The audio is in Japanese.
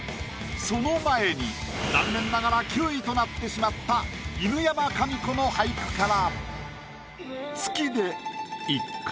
その前に残念ながら９位となってしまった犬山紙子の俳句から。